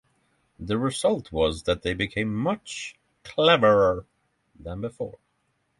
The result was that they became much cleverer than before.